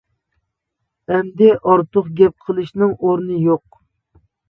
ئەمدى ئارتۇق گەپ قىلىشنىڭ ئورنى يوق.